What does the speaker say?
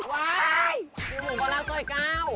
เฮียหมูปลารักสวยก้าว